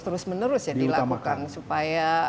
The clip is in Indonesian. terus menerus dilakukan supaya